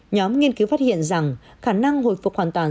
nhóm nghiên cứu phát hiện rằng khả năng hồi phục hoàn toàn